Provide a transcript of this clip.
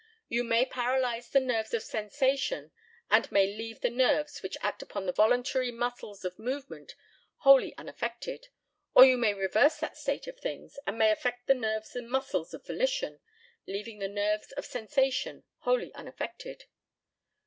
You may paralyse the nerves of sensation and may leave the nerves which act upon the voluntary muscles of movement wholly unaffected; or you may reverse that state of things, and may affect the nerves and muscles of volition, leaving the nerves of sensation wholly unaffected.